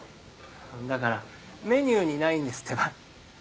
だからメニューにないんですってば。